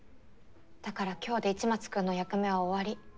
だから今日で市松君の役目は終わり。